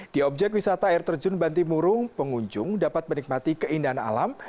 di objek wisata air terjun bantimurung pengunjung dapat menikmati keindahan alam